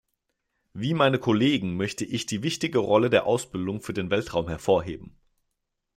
Wie meine Kollegen möchte ich die wichtige Rolle der Ausbildung für den Weltraum hervorheben.